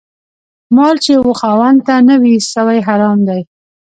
مال چي و خاوند ته نه وي سوی، حرام دی